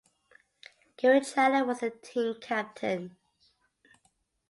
Gary Chandler was the team captain.